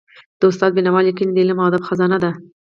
د استاد بینوا ليکني د علم او ادب خزانه ده.